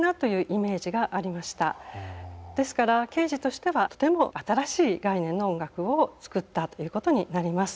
ですからケージとしてはとても新しい概念の音楽を作ったということになります。